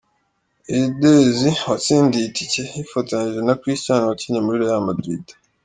Eudes watsindiye itike yifotozanyije na Christian wakinnye muri Real Madrid.